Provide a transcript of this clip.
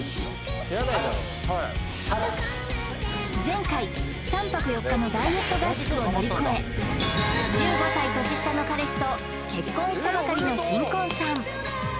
前回３泊４日のダイエット合宿を乗り越え１５歳年下の彼氏と結婚したばかりの新婚さん